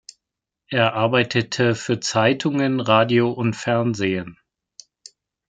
Er arbeitete für Zeitungen, Radio und Fernsehen.